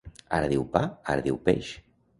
Ara diu pa, ara diu peix.